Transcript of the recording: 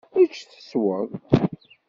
Ečč tesweḍ.